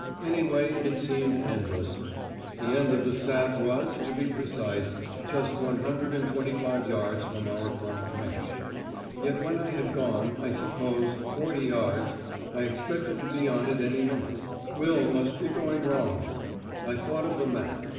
Anyway it seemed endless. The end of the sap was, to be precise, just one hundred and twenty five yards from our front trench. Yet when I had gone, I suppose, forty yards, I expected to be on it any minute. Will must be going wrong. I thought of the map.